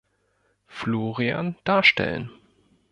Florian darstellen.